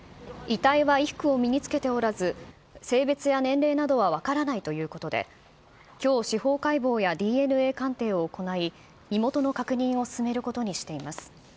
遺体は衣服を身に着けておらず、性別や年齢などは分からないということで、きょう司法解剖やＤＮＡ鑑定を行い、身元の確認を進めることにしています。